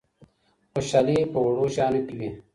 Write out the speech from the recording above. خوشحالي په وړو شیانو کي وي.